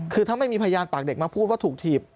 คือถ้าไม่มีพยานปากเด็กมาพูดว่าถูกถีบ